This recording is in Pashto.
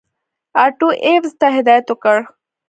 آټو ایفز ته هدایت وکړ.